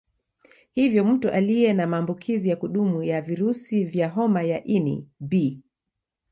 Hivyo Mtu aliye na maambukizi ya kudumu ya virusi vya homa ya ini B